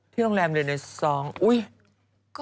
ที่โรงแรมเรเนอร์ซองค์